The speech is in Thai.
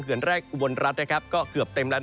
เขื่อนแรกวนรัดก็เกือบเต็มแล้ว